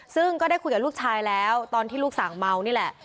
ซึ่งก็ได้คุยกับลูกชายแล้วตอนที่ลูกสั่งเมานี่แหละ